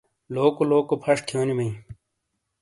لوکو لوکو پھَش تھیونی بئیں۔